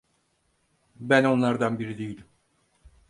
Ben onlardan biri değilim.